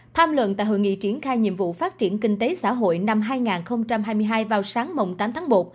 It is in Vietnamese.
tham luận tại hội nghị triển khai nhiệm vụ phát triển kinh tế xã hội năm hai nghìn hai mươi hai vào sáng tám tháng một